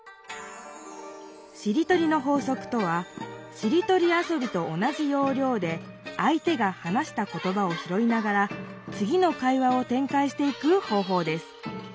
「しりとりの法則」とはしりとりあそびと同じようりょうであい手が話したことばをひろいながらつぎの会話をてんかいしていく方ほうです。